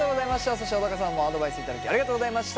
そして小高さんもアドバイスいただきありがとうございました。